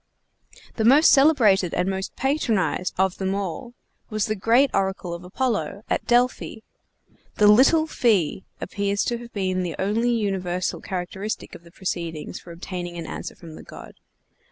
The most celebrated and most patronized of them all was the great oracle of Apollo, at Delphi. The "little fee" appears to have been the only universal characteristic of the proceedings for obtaining an answer from the god.